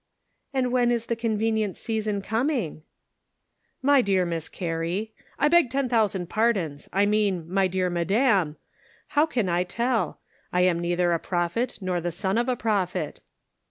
" "And when is the convenient season com ing?" " My dear Miss Carrie — I beg ten thousand pardons ! I mean, my dear madam, how can I tell ? I am neither a prophet nor the son of a prophet."